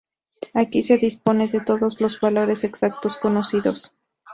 Aquí se dispone de todos los valores exactos conocidos.